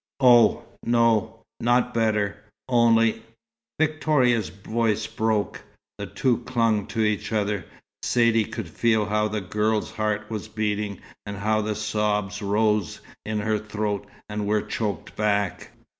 "Oh, no, not better. Only " Victoria's voice broke. The two clung to each other. Saidee could feel how the girl's heart was beating, and how the sobs rose in her throat, and were choked back.